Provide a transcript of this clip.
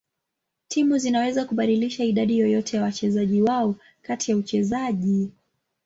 Timu zinaweza kubadilisha idadi yoyote ya wachezaji wao kati ya uchezaji.